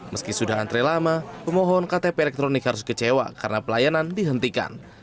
meski sudah antre lama pemohon ktp elektronik harus kecewa karena pelayanan dihentikan